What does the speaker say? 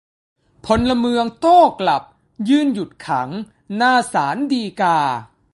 พลเมืองโต้กลับ ยืนหยุดขัง หน้าศาลฎีกา